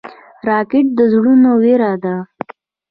راکټ د زړونو وېره ده